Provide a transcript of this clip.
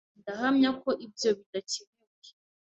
Ndahamya ko ibyo bidakenewe.